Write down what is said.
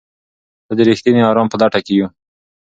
ته د رښتیني ارام په لټه کې یې؟